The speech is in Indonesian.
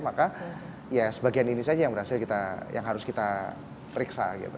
maka ya sebagian ini saja yang harus kita periksa gitu